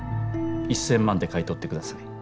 １，０００万で買い取ってください。